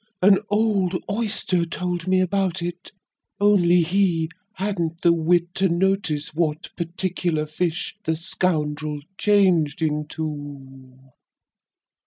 An old oyster told me about it, only he hadn't the wit to notice what particular fish the scoundrel changed into.'